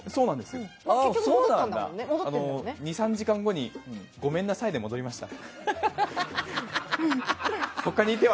２３時間後にごめんなさいで戻りました。